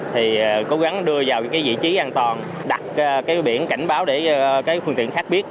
thì cố gắng đưa vào vị trí an toàn đặt biển cảnh báo để phương tiện khách biết